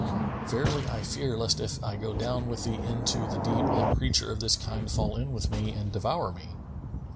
"Verily, I fear lest, if I go down with thee into the deep a creature of this kind fall in with me and devour me."